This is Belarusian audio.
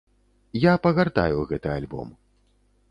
Я пагартаю гэты альбом.